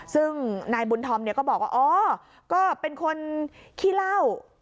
ซึ่งนายบุญธอมก็บอกว่าก็เป็นคนขี้เหล้า